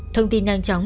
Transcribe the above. thông tin năng chóng